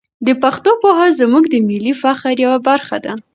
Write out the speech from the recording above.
د پښتو پوهه زموږ د ملي فخر یوه برخه ده.